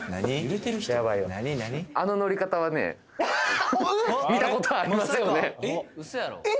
あの乗り方はね見たことありますよねえ！？